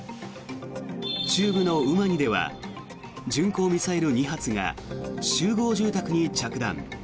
中部のウマニでは巡航ミサイル２発が集合住宅に着弾。